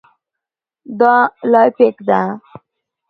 دا لاییک ده.